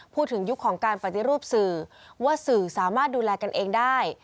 ยุคของการปฏิรูปสื่อว่าสื่อสามารถดูแลกันเองได้